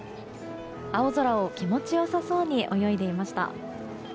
青空を気持ちよさそうに泳いでいました。